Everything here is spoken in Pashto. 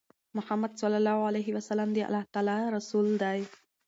محمد ص د الله تعالی رسول دی.